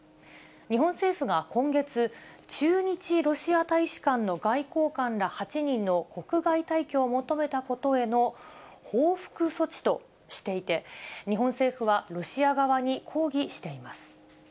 日本政府が今月、駐日ロシア大使館の外交官ら８人の国外退去を求めたことへの報復措置としていて、日本政府はロシア側に抗議しています。